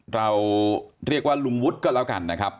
เราเรียกว่าลุงวุฒิก็แล้วกันนะครับ